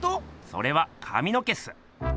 それはかみの毛っす。